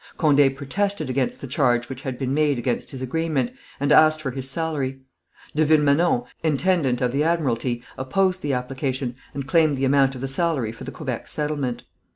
Condé protested against the charge which had been made against his agreement, and asked for his salary. De Villemenon, intendant of the admiralty, opposed the application, and claimed the amount of the salary for the Quebec settlement.